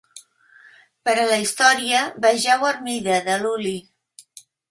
Per a la història, vegeu "Armide", de Lully.